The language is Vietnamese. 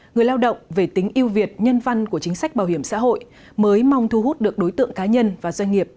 người lao động về tính yêu việt nhân văn của chính sách bảo hiểm xã hội mới mong thu hút được đối tượng cá nhân và doanh nghiệp